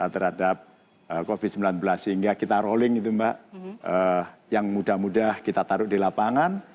terhadap covid sembilan belas sehingga kita rolling itu mbak yang muda muda kita taruh di lapangan